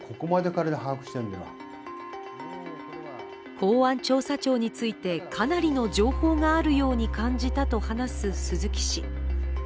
公安調査庁についてかなりの情報があるように感じたと話す鈴木氏。